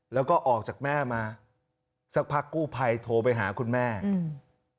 แล้วก็ออกจากแม่มาสักพักกู้ภัยโทรไปหาคุณแม่อืม